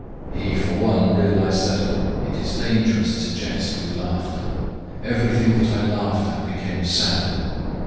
He, for one, realised that "it is dangerous to jest with laughter." "Everything that I laughed at became sad."